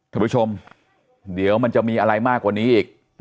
ทุกผู้ชมเดี๋ยวมันจะมีอะไรมากกว่านี้อีก